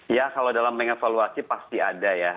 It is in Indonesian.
ya kalau dalam mengevaluasi pasti ada ya